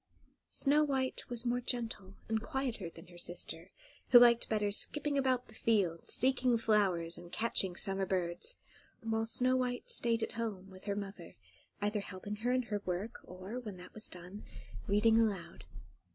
Snow White was more gentle, and quieter than her sister, who liked better skipping about the fields, seeking flowers, and catching summer birds; while Snow White stayed at home with her mother, either helping her in her work, or, when that was done, reading aloud.